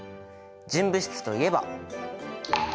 純物質といえば。